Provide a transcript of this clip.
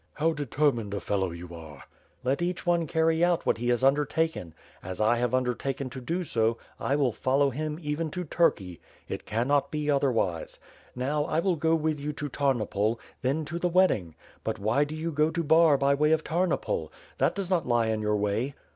"How determined a fellow you are?" ^Tiet each one carry out what he has undertaken. As I have undertaken to do so, I will follow him, even to Turkey. It cannot be otherwise. Now, T will go with you to Tarnopol, then to the wedding. But why do you go to Bar by way of Tarnopol? That does not lie in your way."